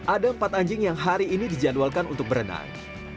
ada empat anjing yang hari ini dijadwalkan untuk berenang